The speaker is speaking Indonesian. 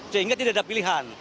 sehingga tidak ada pilihan